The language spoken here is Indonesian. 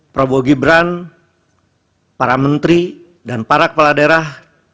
prabowo gibran para menteri dan para kepala daerah